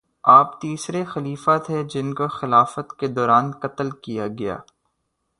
آپ تیسرے خلیفہ تھے جن کو خلافت کے دوران قتل کیا گیا